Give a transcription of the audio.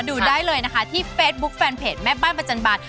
ดูได้เลยนะคะที่เฟซบุ๊คแฟนเพจแม่บ้านประจันบาล